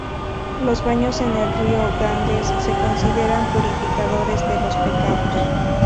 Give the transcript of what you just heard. Los baños en el río Ganges se consideran purificadores de los pecados.